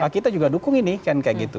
kita juga dukung ini kan kayak gitu